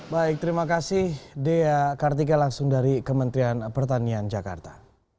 baik terima kasih dea kartike langsung dari kementerian pertanian jakarta